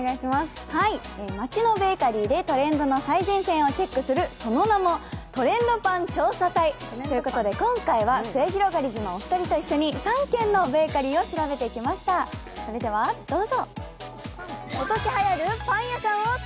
街のベーカリーでトレンドの最前線をチェックするその名も「トレンドパン調査隊」。ということで今回はすゑひろがりずのお二人とともに３軒のベーカリーを調べてきましたどうぞ。